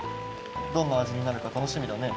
どんな味になるか楽しみだね。